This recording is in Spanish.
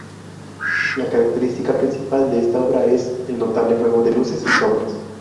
La característica principal de esta obra es el notable juego de luces y sombras.